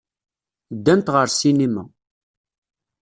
Ddant ɣer ssinima.